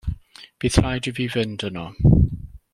Bydd rhaid i fi fynd yno.